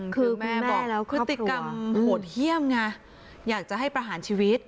คือแม่บอกพฤติกรรมโหดเยี่ยมไงอยากจะให้ประหารชีวิต